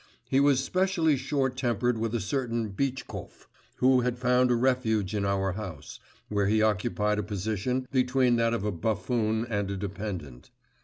He was specially short tempered with a certain Bitchkov, who had found a refuge in our house, where he occupied a position between that of a buffoon and a dependant.